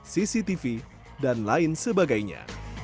cctv dan lain sebagainya